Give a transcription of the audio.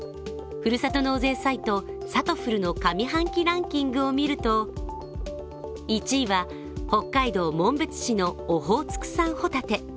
ふるさと納税サイト・さとふるの上半期ランキングを見ると１位は北海道紋別市のオホーツク産ほたて。